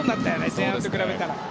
前半と比べたら。